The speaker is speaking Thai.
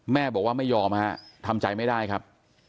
แม่บอกว่าไม่ยอมฮะทำใจไม่ได้ครับ